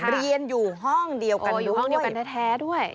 เรียนอยู่ห้องเดียวกันด้วย